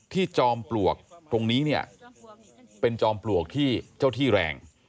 จอมปลวกตรงนี้เนี่ยเป็นจอมปลวกที่เจ้าที่แรง